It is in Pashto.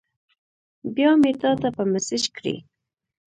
بیا مې تاته په میسج کړی